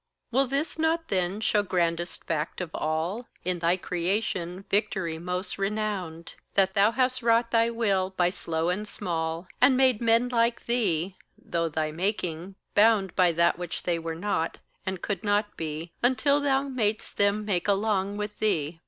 Will this not then show grandest fact of all In thy creation victory most renowned That thou hast wrought thy will by slow and small, And made men like thee, though thy making bound By that which they were not, and could not be Until thou mad'st them make along with thee?